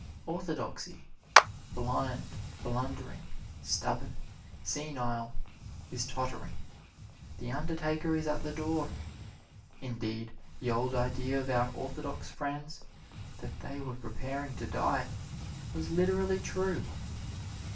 Orthodoxy, blind, blundering, stubborn, senile, is tottering the undertaker is at the door. Indeed, the old idea of our orthodox friends that they were preparing to die, was literally true.